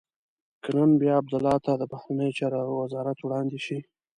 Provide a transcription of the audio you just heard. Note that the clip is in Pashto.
که نن بیا عبدالله ته د بهرنیو چارو وزارت وړاندې شي.